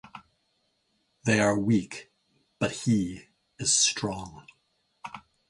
They are weak but he is strong.